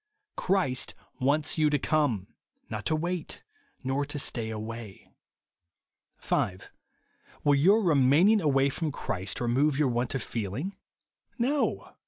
Christ wants you to come ; not to wait, nor to stay away. 5. Will your remaining aivay froon Christ remove your want of feeling ? No.